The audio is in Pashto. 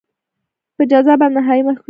په جزا باندې نهایي محکومیت.